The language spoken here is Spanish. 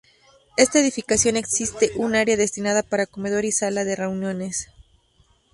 Esta edificación existe un área destinada para comedor y sala de reuniones.